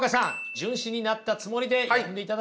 荀子になったつもりで読んでいただけますか？